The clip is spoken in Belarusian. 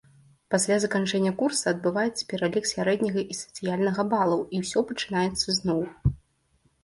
Пасля заканчэння курса адбываецца пералік сярэдняга і сацыяльнага балаў, і ўсё пачынаецца зноў.